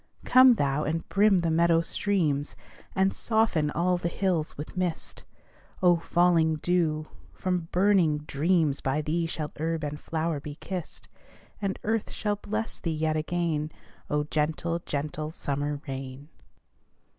Come thou, and brim the meadow streams, And soften all the hills with mist, Oh, falling dew! From burning dreams By thee shall herb and flower be kissed; And earth shall bless thee yet again, Oh, gentle, gentle summer rain!